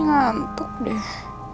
ini ngantuk deh